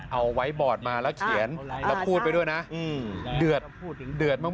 เอาไว้บอร์ดมาแล้วเขียนแล้วพูดไปด้วยนะเดือดเดือดมาก